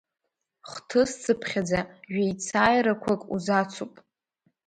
Хҭысцыԥхьаӡа жәеицааирақәак узацуп.